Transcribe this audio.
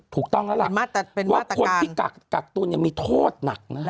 ถูกต้องแล้วล่ะว่าคนที่กักตุลยังมีโทษหนักนะฮะ